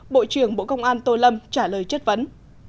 bộ trưởng bộ công an tô lâm trả lời chất vấn